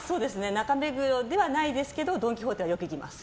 中目黒ではないですけどドン・キホーテはよく行きます